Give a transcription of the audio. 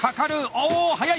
お速い！